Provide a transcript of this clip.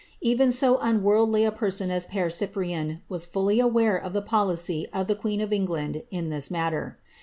Even so unworldly a person as I%e Cyprian was fully aware of the policy of the queen of England in this matter.